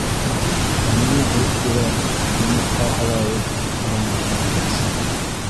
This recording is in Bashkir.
— Ә ниңә һөт бирә, йомортҡа һала ул? — тип һораны Быҙаубаш.